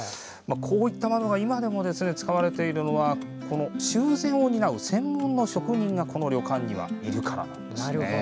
こういった窓が今でも使われているのは修繕を担う専門の職人がこの旅館にはいるからです。